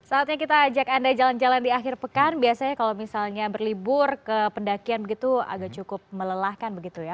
saatnya kita ajak anda jalan jalan di akhir pekan biasanya kalau misalnya berlibur ke pendakian begitu agak cukup melelahkan begitu ya